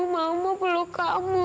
mama mau peluk kamu